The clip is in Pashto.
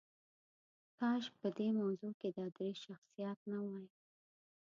کاش نن په دې موضوع کې دا درې شخصیات نه وای.